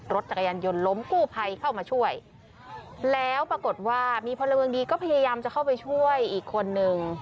รถจักรยานยนต์ล้มกู้ภัยเข้ามาช่วยแล้วปรากฏว่ามีพลเมืองดีก็พยายามจะเข้าไปช่วยอีกคนนึง